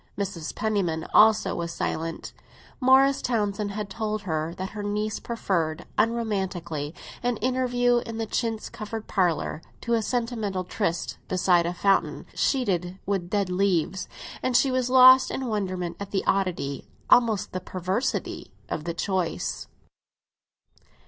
Mrs. Penniman also was silent; Morris Townsend had told her that her niece preferred, unromantically, an interview in a chintz covered parlour to a sentimental tryst beside a fountain sheeted with dead leaves, and she was lost in wonderment at the oddity—almost the perversity—of the choice.